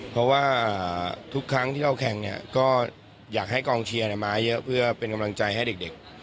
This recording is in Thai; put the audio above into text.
เพราะว่าทุกครั้งที่เราแข่งเนี่ยก็อยากให้กองเชียร์มาเยอะเพื่อเป็นกำลังใจให้เด็ก